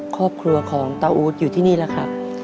ครอบครัวของตาอู๊ดอยู่ที่นี่แล้วครับ